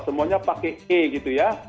semuanya pakai e gitu ya